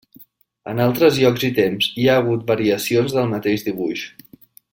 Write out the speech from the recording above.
En altres llocs i temps hi ha hagut variacions del mateix dibuix.